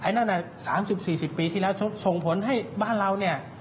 นั่น๓๐๔๐ปีที่แล้วส่งผลให้บ้านเราเนี่ย